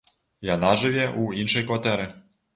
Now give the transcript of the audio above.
Яна жыве ў іншай кватэры.